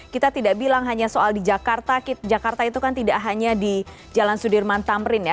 kita tidak bilang hanya soal di jakarta jakarta itu kan tidak hanya di jalan sudirman tamrin ya